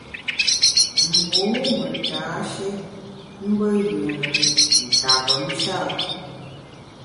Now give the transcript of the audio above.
Mbô me tashé mbe yùre nta mvom sha ?